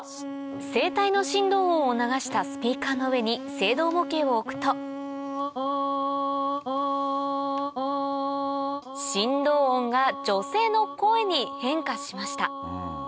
声帯の振動音を流したスピーカーの上に声道模型を置くと振動音が女性の声に変化しました